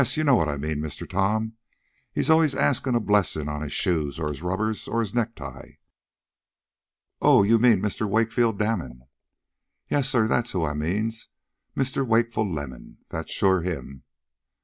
Yo' knows what I means, Massa Tom. He's allers askin' a blessin' on his shoes, or his rubbers, or his necktie." "Oh, you mean Mr. Wakefield Damon." "Yais, sah, dat's who I done means. Mr. Wakefull Lemon dat's sho' him."